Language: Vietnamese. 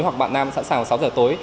hoặc bạn nam sẵn sàng vào sáu giờ tối